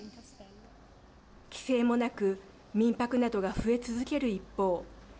規制もなく民泊などが増え続ける一方